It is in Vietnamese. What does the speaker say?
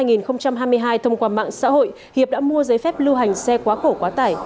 năm hai nghìn hai mươi hai thông qua mạng xã hội hiệp đã mua giấy phép lưu hành xe quá khổ quá tải